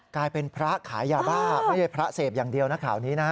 กลายเป็นพระขายยาบ้าไม่ใช่พระเสพอย่างเดียวนะข่าวนี้นะ